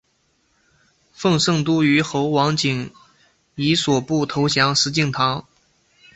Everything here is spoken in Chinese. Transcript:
奉圣都虞候王景以所部投降石敬瑭。